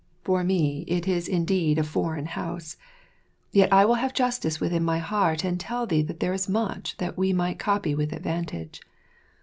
For me, it is indeed a "foreign" house. Yet I will have justice within my heart and tell thee that there is much that we might copy with advantage.